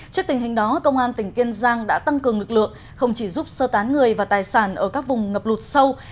trước tình hình đó công an tỉnh kiên giang đã tăng cường lực lượng không chỉ giúp sơ tán người và tài sản ở các vùng ngập lụt sâu